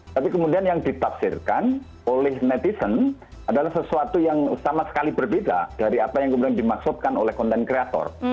tapi kemudian yang ditafsirkan oleh netizen adalah sesuatu yang sama sekali berbeda dari apa yang kemudian dimaksudkan oleh konten kreator